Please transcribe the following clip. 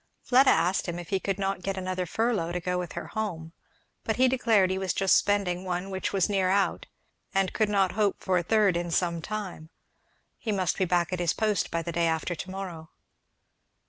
Fleda asked him if he could not get another furlough to go with her home, but he declared he was just spending one which was near out; and he could not hope for a third in some time; he must be back at his post by the day after to morrow.